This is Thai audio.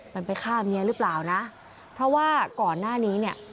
มันไปฆ่าเมียหรือเปล่านะเพราะว่าก่อนหน้านี้เนี่ย